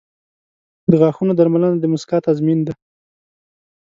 • د غاښونو درملنه د مسکا تضمین ده.